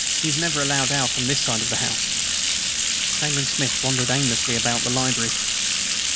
He is never allowed on this side of the house." Nayland Smith wandered aimlessly about the library.